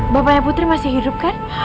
bapaknya putri masih hidup kan